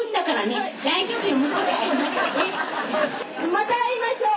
また会いましょう。